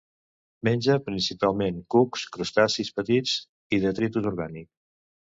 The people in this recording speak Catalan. Menja principalment cucs, crustacis petits i detritus orgànic.